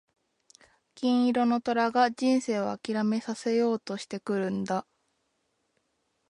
金色の虎が人生を諦めさせようとしてくるんだ。